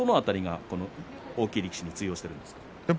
大きい力士に通用しているんですか。